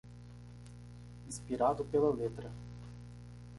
Inspirado pela letra